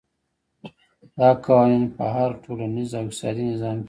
دا قوانین په هر ټولنیز او اقتصادي نظام کې وي.